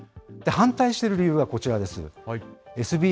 反対してる理由はこちらです。